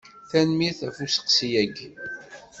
Tanemmirt ɣef usteqsi-agi.